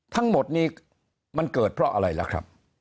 ทั้งหมดนี้มันเกิดเพราะอะไรล่ะครับ